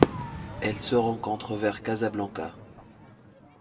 Elle se rencontre vers Casablanca.